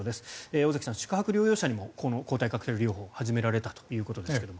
尾崎さん、宿泊療養者にも抗体カクテル療法が始められたということですが。